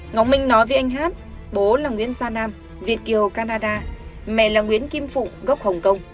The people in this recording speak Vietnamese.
ngọc minh nói với anh hát bố là nguyễn gia nam việt kiều canada mẹ là nguyễn kim phụng gốc hồng kông